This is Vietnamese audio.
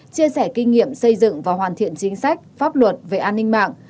chia sẻ kinh nghiệm xây dựng và hoàn thiện chính sách pháp luật về an ninh mạng